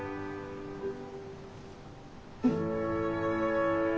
うん。